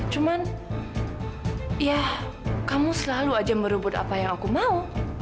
cuman ya kamu selalu aja merebut apa yang aku mau